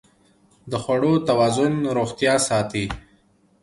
د خوړو توازن روغتیا ساتي.